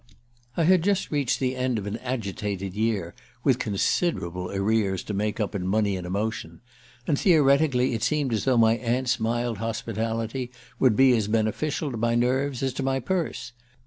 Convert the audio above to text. "I had just reached the end of an agitated year, with considerable arrears to make up in money and emotion; and theoretically it seemed as though my aunt's mild hospitality would be as beneficial to my nerves as to my purse.